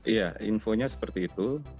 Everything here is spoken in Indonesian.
ya infonya seperti itu